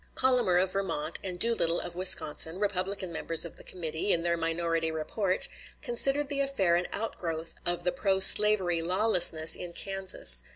Collamer, of Vermont, and Doolittle, of Wisconsin, Republican members of the committee, in their minority report, considered the affair an outgrowth of the pro slavery lawlessness in Kansas.